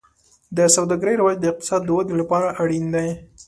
د سوداګرۍ رواج د اقتصاد د ودې لپاره اړین دی.